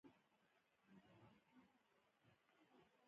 د عزم ارزښت د بریا سبب دی.